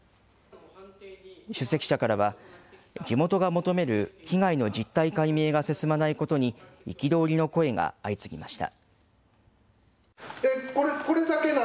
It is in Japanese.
出席者からは、地元が求める被害の実態解明が進まないことに憤りの声が相次ぎました。